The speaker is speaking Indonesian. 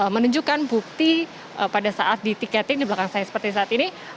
menunjukkan bukti pada saat ditiketin di belakang saya seperti saat ini